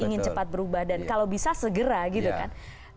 ingin cepat berubah dan kalau bisa segera gitu kan